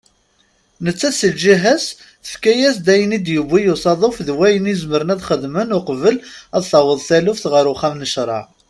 Nettat seg lǧiha-as tefka-yas-d ayen i d-yewwi usaḍuf d wayen zemren ad xedmen uqbel ad taweḍ taluft ɣer uxxam n ccraɛ.